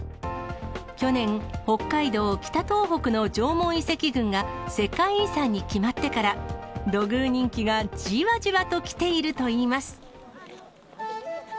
去年、北海道・北東北の縄文遺跡群が世界遺産に決まってから、土偶人気がじわじわときているといいます。